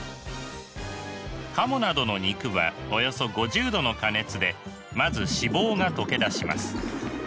カモなどの肉はおよそ５０℃の加熱でまず脂肪が溶け出します。